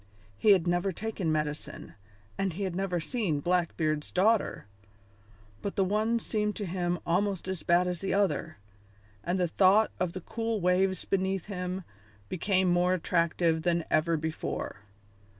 He had never taken medicine and he had never seen Blackbeard's daughter, but the one seemed to him almost as bad as the other, and the thought of the cool waves beneath him became more attractive than ever before.